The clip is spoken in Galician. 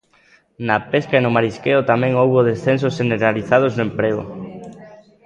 Na pesca e no marisqueo tamén houbo descensos xeneralizados no emprego.